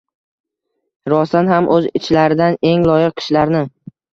rostdan ham o‘z ichlaridan eng loyiq kishilarni